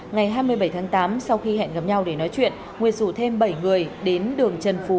ngày hai mươi bảy tháng tám sau khi hẹn gặp nhau để nói chuyện nguyệt rủ thêm bảy người đến đường trần phú